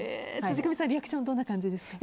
辻上さん、リアクションどんな感じですか？